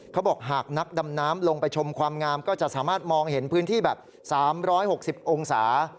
เขาบอกหากนักดำน้ำลงไปชมความงามก็จะสามารถมองเห็นพื้นที่แบบ๓๖๐องศา